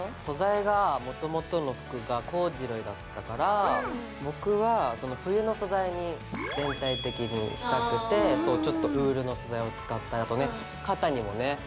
素材がもともとの服がコーデュロイだったから僕は冬の素材に全体的にしたくてちょっとウールの素材を使ったりあと肩にもね。